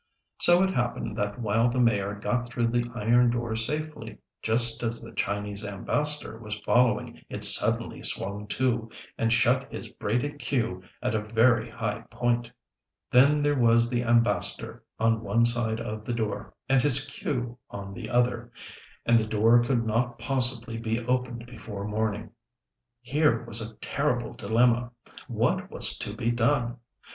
So it happened that while the Mayor got through the iron door safely, just as the Chinese Ambassador was following it suddenly swung to, and shut in his braided queue at a very high point. [Illustration: JULIA ENTERTAINS THE AMBASSADOR THROUGH THE KEYHOLE.] Then there was the Ambassador on one side of the door, and his queue on the other, and the door could not possibly be opened before morning. Here was a terrible dilemma! What was to be done?